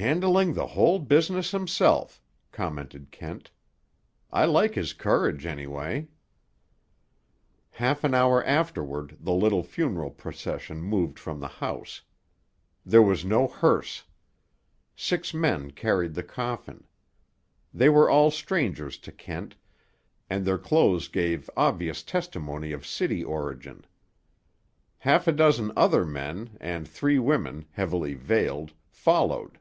"Handling the whole business himself," commented Kent. "I like his courage, anyway." Half an hour afterward the little funeral procession moved from the house. There was no hearse. Six men carried the coffin. They were all strangers to Kent, and their clothes gave obvious testimony of city origin. Half a dozen other men, and three women, heavily veiled, followed.